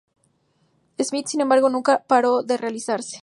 Smith, sin embargo, nunca paró de realizarse.